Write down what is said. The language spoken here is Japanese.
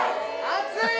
熱い！